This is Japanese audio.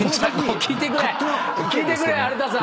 聞いてくれ有田さん！